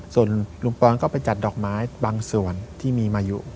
ส่วนลุงปอนก็ไปจัดดอกไม้บางส่วนที่มีมายุ